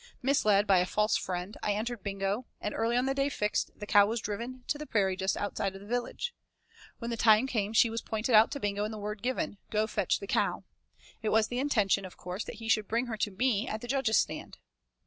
Misled by a false friend, I entered Bingo, and early on the day fixed, the cow was driven to the prairie just outside of the village. When the time came she was pointed out to Bingo and the word given 'Go fetch the cow.' It was the intention, of course, that he should bring her to me at the judge's stand.